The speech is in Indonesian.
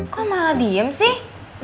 kok malah diem sih